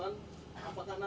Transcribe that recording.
yang kedua mohon izin